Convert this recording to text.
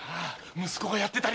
息子が殺ってたりして。